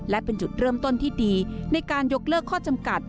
และเป็นจุดเริ่มต้นที่ดีในการยกเลิกข้อจำกัด